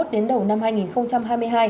đến đầu năm hai nghìn hai mươi hai